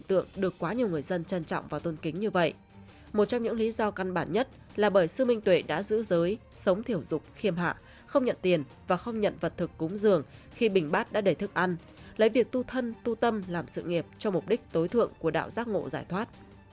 một trong những lý do căn bản nhất là bởi sư minh tuệ đã giữ giới sống thiểu dục khiêm hạ không nhận tiền và không nhận vật thực cúng dường khi bình bát đã đầy thức ăn lấy việc tu thân tu tâm làm sự nghiệp cho mục đích tối thượng của đạo giác ngộ giải thoát